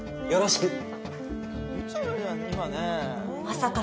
よろしく。